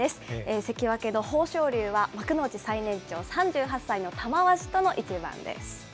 関脇の豊昇龍は幕内最年長、３８歳の玉鷲との一番です。